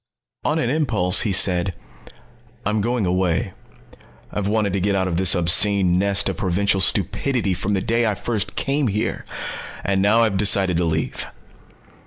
On an impulse he said: "I'm going away. I've wanted to get out of this obscene nest of provincial stupidity from the day I first came here. And now I've decided to leave."